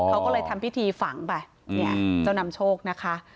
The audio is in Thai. เขาก็เลยทำพิธีฝังไปเนี่ยเจ้านำโชคนะคะ